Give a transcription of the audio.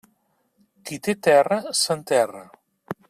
Qui té terra, s'enterra.